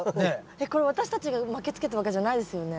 えっこれ私たちが巻きつけたわけじゃないですよね。